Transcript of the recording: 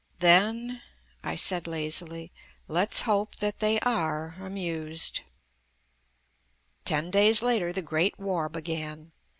"Then," I said lazily, "let's hope that they are amused." Ten days later the Great War began.